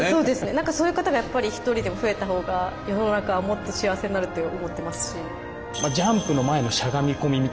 そういう方が一人でも増えたほうが世の中はもっと幸せになると思ってますし。